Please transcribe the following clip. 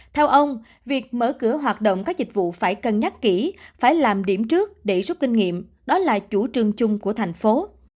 theo ông việc mở cửa hoạt động các dịch vụ phải cân nhắc kỹ phải làm điểm trước để rút kinh nghiệm đó là chủ trương chung của thành phố